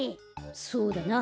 そうだな。